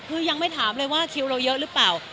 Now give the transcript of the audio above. คือยังไม่ถามเลยว่าคิวเราเยอะหรือเปล่า